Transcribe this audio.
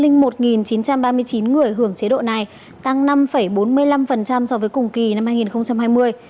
bảy trăm linh một chín trăm ba mươi chín người hưởng chế độ này tăng năm bốn mươi năm so với cùng kỳ năm hai nghìn hai mươi